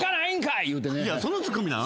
いやそのツッコミなん？